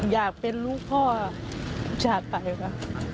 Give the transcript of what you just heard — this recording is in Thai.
อยากเป็นลูกพ่อชาติไปค่ะ